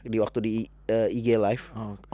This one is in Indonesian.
di waktu di ig live